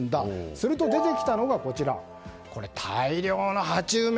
すると、出てきたのがこちら、大量の鉢埋め